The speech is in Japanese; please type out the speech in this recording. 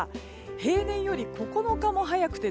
平年より９日も早くて